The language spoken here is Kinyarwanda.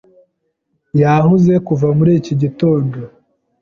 Yahuze kuva muri iki gitondo.